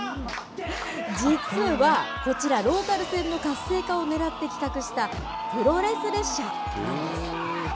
実はこちら、ローカル線の活性化をねらって企画したプロレス列車なんです。